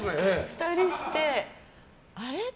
２人してあれ？